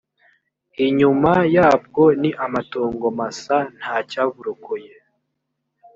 inyuma yabwo ni amatongo masa nta cyaburokoye